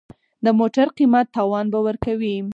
د موټر قیمت تاوان به ورکوې.